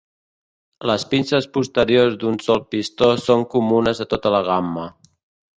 Les pinces posteriors d'un sol pistó són comunes a tota la gamma.